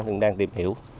thường đang tìm hiểu